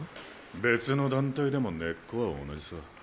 別の団体でも根っこは同じさ。